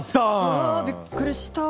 うわびっくりした。